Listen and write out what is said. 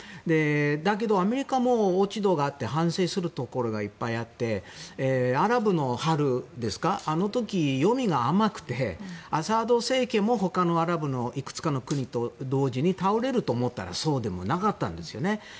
だけどアメリカも落ち度があって反省するところがいっぱいあって、アラブの春のあの時、読みが甘くてアサド政権も、他のアラブのいくつかの国と同時に倒れると思ったらそうでもなかったんですね。